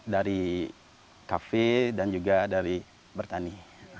dari kafe dan juga dari bertani